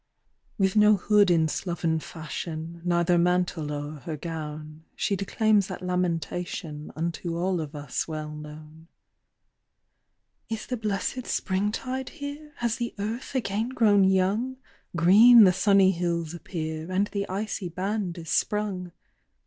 With no hood in sloven fashion, Neither mantle o'er her gown, She declaims that lamentation Unto all of us well known; "Is the blessed spring tide here? Has the earth again grown young? Green the sunny hills appear, And the icy band is sprung.